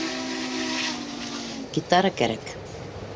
Гитара кәрәк.